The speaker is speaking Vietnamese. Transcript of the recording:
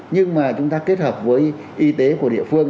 nhưng mà chúng ta kết hợp với y tế của địa phương